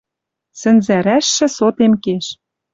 Сӹнзӓрӓжшӹ сотем кеш.